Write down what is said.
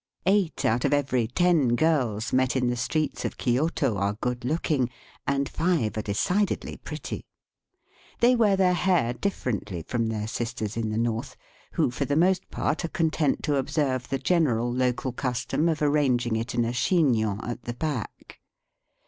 Eight out of every ten girls met in the streets of Kioto are good looking, and five are decidedly pretty. They wear their hair differently from their sisters in the north, who, for the most part, are content to observe the general local custom of arranging it in a chignon at the back.